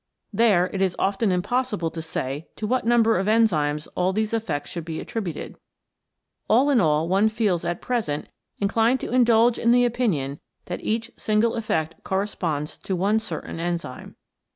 There it is often impossible to say to what number of enzymes all these effects should be attributed. All in all one feels at present in clined to indulge in the opinion that each single effect corresponds to one certain enzyme.